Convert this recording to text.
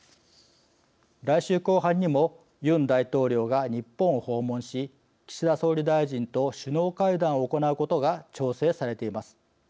来週後半にもユン大統領が日本を訪問し、岸田総理大臣と首脳会談を行うことが調整されています。